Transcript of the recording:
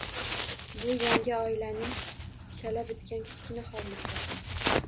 Bu yangi oilaning chala bitgan kichkina hovlisi.